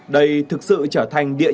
đây thực sự trở thành địa chỉ